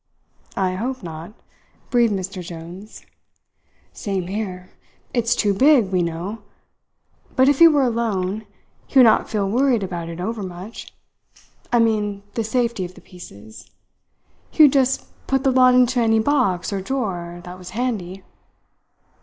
"I hope not," breathed Mr. Jones. "Same here. It's too big, we know, but if he were alone, he would not feel worried about it overmuch I mean the safety of the pieces. He would just put the lot into any box or drawer that was handy."